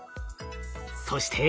そして。